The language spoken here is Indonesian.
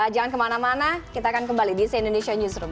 jangan kemana mana kita akan kembali di si indonesia newsroom